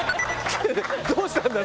「どうしたんだよ？」